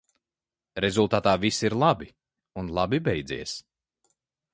Rezultātā viss ir labi un labi beidzies.